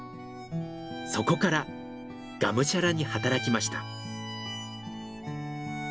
そこからがむしゃらに働きました。